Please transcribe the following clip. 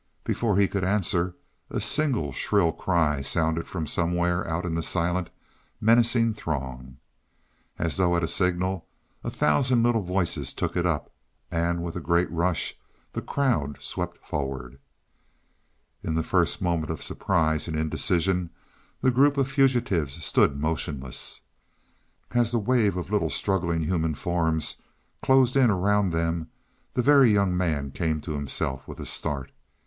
Before he could answer, a single shrill cry sounded from somewhere out in the silent, menacing throng. As though at a signal, a thousand little voices took it up, and with a great rush the crowd swept forward. In the first moment of surprise and indecision the group of fugitives stood motionless. As the wave of little, struggling human forms closed in around them, the Very Young Man came to himself with a start.